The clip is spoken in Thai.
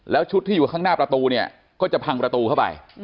แล้วชุดที่อยู่ข้างหน้าประตูเนี่ยก็จะพังประตูเข้าไป